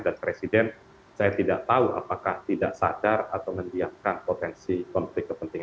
dan presiden saya tidak tahu apakah tidak sadar atau mendiamkan potensi konflik kepentingan